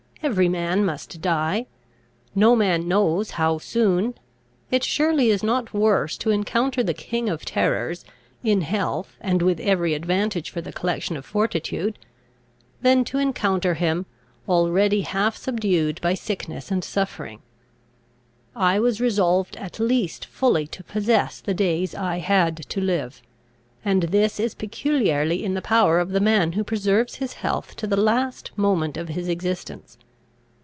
Every man must die. No man knows how soon. It surely is not worse to encounter the king of terrors, in health, and with every advantage for the collection of fortitude, than to encounter him, already half subdued by sickness and suffering. I was resolved at least fully to possess the days I had to live; and this is peculiarly in the power of the man who preserves his health to the last moment of his existence.